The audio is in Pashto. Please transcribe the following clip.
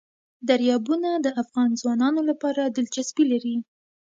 دریابونه د افغان ځوانانو لپاره دلچسپي لري.